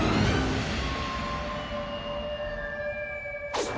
あっ。